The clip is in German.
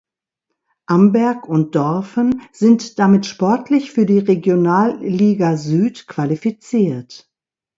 Amberg und Dorfen sind damit sportlich für die Regionalliga Süd qualifiziert.